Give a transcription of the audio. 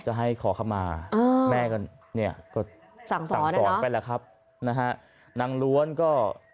จะให้ขอเข้ามาแม่ก็เนี่ยสั่งสอนไปแล้วครับนางล้วนก็